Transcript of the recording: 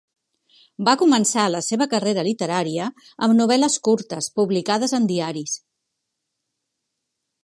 Va començar la seva carrera literària amb novel·les curtes publicades en diaris.